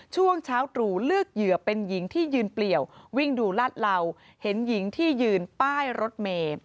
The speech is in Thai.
ช่วงเช้าตรู่เลือกเหยื่อเป็นหญิงที่ยืนเปลี่ยววิ่งดูลาดเหล่าเห็นหญิงที่ยืนป้ายรถเมย์